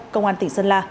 công an tỉnh sơn la